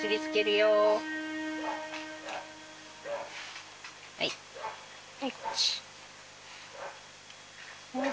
よし。